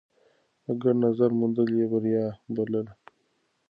د ګډ نظر موندل يې بريا بلله.